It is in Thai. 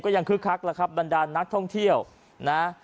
ก็ยังคึกคักละครับดันดันนักท่องเที่ยวนะฮะ